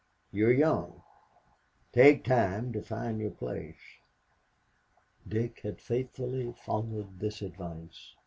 You are young. Take time to find your place." Dick had faithfully followed this advice.